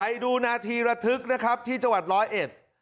ไปดูนาทีระทึกนะครับที่จังหวัดร้อยเอ็ด